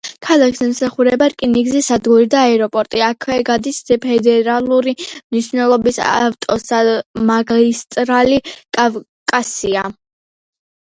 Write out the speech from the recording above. ქალაქს ემსახურება რკინიგზის სადგური და აეროპორტი; აქვე გადის ფედერალური მნიშვნელობის ავტომაგისტრალი „კავკასია“.